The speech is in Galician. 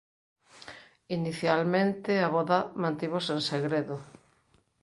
Inicialmente a voda mantívose en segredo.